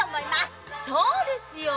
そうですよ。